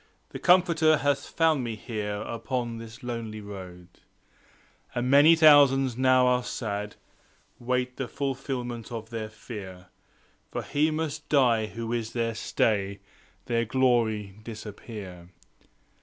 10 The Comforter hath found me here, Upon this lonely road; And many thousands now are sad– Wait the fulfilment of their fear; For he must die who is their stay, Their glory disappear.